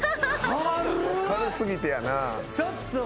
軽過ぎてやな。